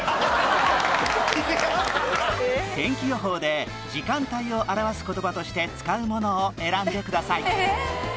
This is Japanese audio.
天気予報で時間帯を表す言葉として使うものを選んでください